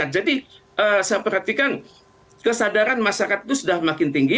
jadi saya perhatikan kesadaran masyarakat itu sudah makin tinggi